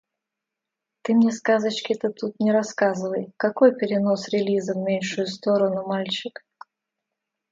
Ты мне сказочки-то тут не рассказывай! Какой перенос релиза в меньшую сторону, мальчик?